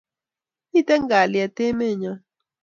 Miten kalyet emet nyon